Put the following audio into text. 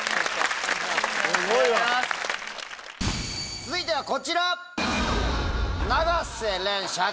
続いてはこちら！